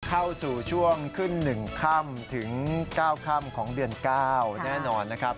เข้าสู่ช่วงขึ้น๑ค่ำถึง๙ค่ำของเดือน๙แน่นอนนะครับ